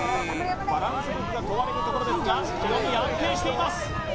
バランス力が問われるところですが清宮安定しています